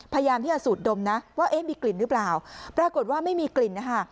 พยายามที่จะสูดดมนะว่าเอ๊ะมีกลิ่นหรือเปล่าปรากฏว่าไม่มีกลิ่นนะคะ